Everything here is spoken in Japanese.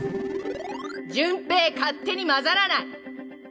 潤平勝手に交ざらない！